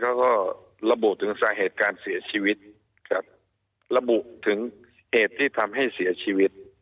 เขาก็ระบุถึงสาเหตุการเสียชีวิตครับระบุถึงเหตุที่ทำให้เสียชีวิต